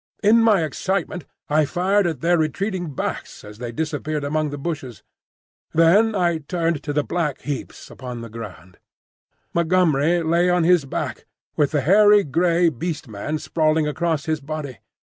In my excitement I fired at their retreating backs as they disappeared among the bushes. Then I turned to the black heaps upon the ground. Montgomery lay on his back, with the hairy grey Beast man sprawling across his body.